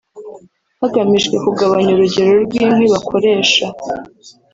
hagamijwe kugabanya urugero rw’inkwi bakoresha